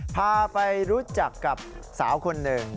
พาไปรู้จักกับสาวคนหนึ่ง